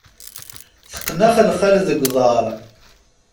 Teqqen axelxal deg uḍar.